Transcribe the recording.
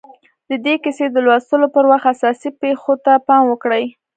د دې کیسې د لوستلو پر وخت اساسي پېښو ته پام وکړئ